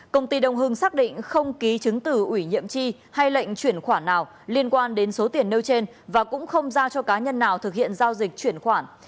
công ty đông hưng xác định không ký chứng từ ủy nhiệm chi hay lệnh chuyển khoản nào liên quan đến số tiền nêu trên và cũng không giao cho cá nhân nào thực hiện giao dịch chuyển khoản